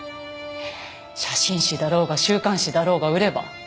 写真誌だろうが週刊誌だろうが売れば？